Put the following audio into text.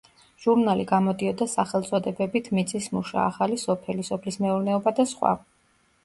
ჟურნალი გამოდიოდა სახელწოდებებით „მიწის მუშა“, „ახალი სოფელი“, „სოფლის მეურნეობა“ და სხვა.